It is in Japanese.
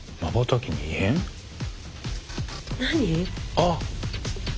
あっ！